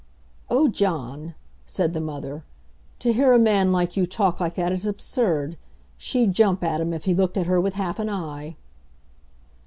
"Oh, John," said the mother, "to hear a man like you talk like that is absurd. She'd jump at him if he looked at her with half an eye."